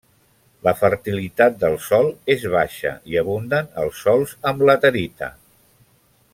La fertilitat del sòl és baixa i abunden els sòls amb laterita.